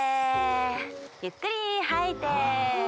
ゆっくりはいて。